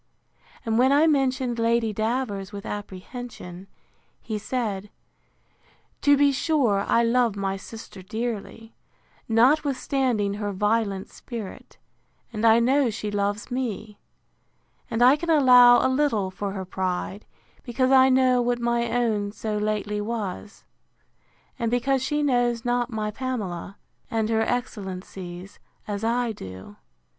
And when I mentioned Lady Davers with apprehension, he said, To be sure I love my sister dearly, notwithstanding her violent spirit; and I know she loves me; and I can allow a little for her pride, because I know what my own so lately was; and because she knows not my Pamela, and her excellencies, as I do.